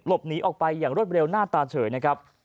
หนีออกไปอย่างรวดเร็วหน้าตาเฉยนะครับ